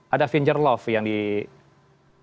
ada finger love yang diberikan